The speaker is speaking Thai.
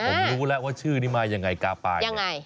อ๋อผมรู้แล้วว่าชื่อนี้มายังไงก๊าปายเนี่ย